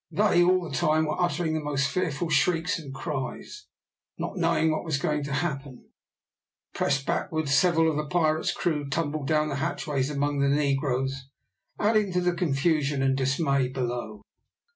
They all the time were uttering the most fearful shrieks and cries, not knowing what was going to happen. Pressed backwards, several of the pirate's crew were tumbled down the hatchways among the negroes, adding to the confusion and dismay below.